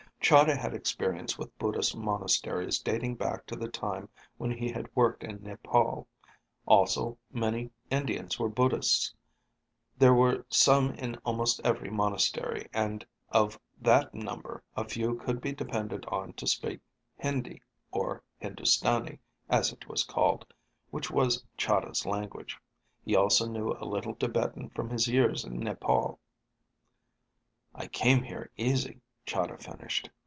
Chahda had experience with Buddhist monasteries dating back to the time when he had worked in Nepal. Also, many Indians were Buddhists. There were some in almost every monastery, and of that number a few could be depended on to speak Hindi, or Hindustani as it was called, which was Chahda's language. He also knew a little Tibetan from his years in Nepal. "I came here easy," Chahda finished.